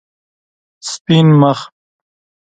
سپین مخ